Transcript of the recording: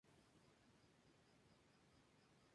Si no vota, delega el voto al parlamento.